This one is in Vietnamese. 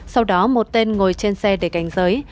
sau đó một tên ngồi trên xe để cảnh giới